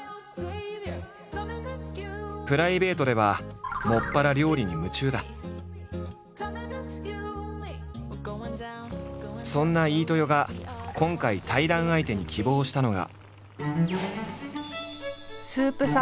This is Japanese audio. プライベートでは専らそんな飯豊が今回対談相手に希望したのが。